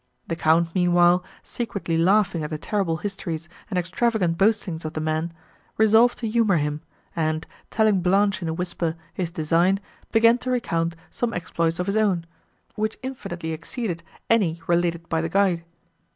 The Count, meanwhile, secretly laughing at the terrible histories and extravagant boastings of the man, resolved to humour him, and, telling Blanche in a whisper, his design, began to recount some exploits of his own, which infinitely exceeded any related by the guide.